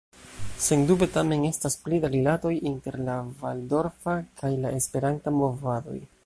Sendube tamen estas pli da rilatoj inter la valdorfa kaj la esperanta movadoj.